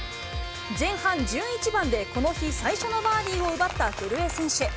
前半１１番でこの日最初のバーディーを奪った古江選手。